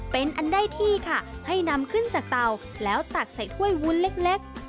เป็นอันได้ที่ค่ะให้นำขึ้นจากเตาแล้วตักใส่ถ้วยวุ้นเล็ก